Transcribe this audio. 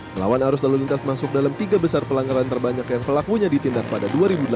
melawan arus lalu lintas masuk dalam tiga besar pelanggaran terbanyak yang pelakunya ditindak pada dua ribu delapan belas